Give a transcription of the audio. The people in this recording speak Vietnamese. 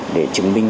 để chứng minh